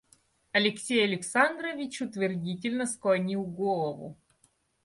Алексей Александрович утвердительно склонил голову.